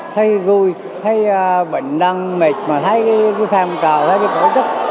thấy vui thấy bệnh đang mệt mà thấy phan trào thấy bệnh khổ chất